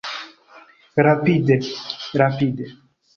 Rapide. Rapide.